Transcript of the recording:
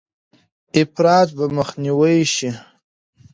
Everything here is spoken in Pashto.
افراط به مخنیوی شي.